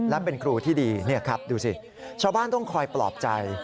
และเป็นครูที่ดีดูสิชาวบ้านต้องคอยปลอบใจ